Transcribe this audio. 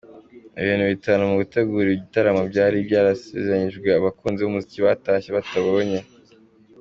Ibintu bitanu mu gutegura igitaramo byari byasezeranyijwe abakunzi b’umuziki batashye batabonye :.